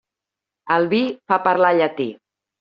El vi fa parlar llatí.